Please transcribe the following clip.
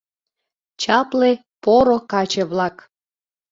«Чапле, поро каче-влак